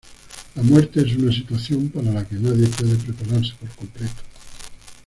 La muerte es una situación para la que que nadie puede prepararse por completo.